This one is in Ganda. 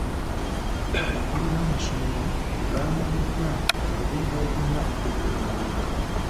Abakulu b'amasomero bawabuddwa ku bubi bw'okunywa ennyo omwenge.